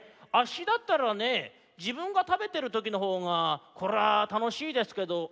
あっしだったらねじぶんがたべてるときのほうがこらぁたのしいですけど。